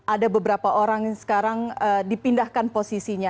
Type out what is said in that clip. ada beberapa orang yang sekarang dipindahkan posisinya